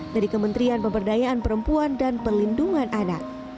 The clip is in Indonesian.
dari kementerian pemberdayaan perempuan dan pelindungan anak